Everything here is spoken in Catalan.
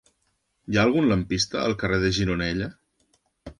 Hi ha algun lampista al carrer de Gironella?